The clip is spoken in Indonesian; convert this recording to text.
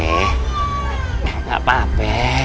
nih enggak apa apa